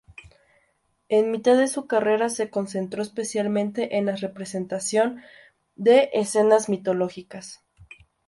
En mitad de su carrera se concentró especialmente en la representación de escenas mitológicas.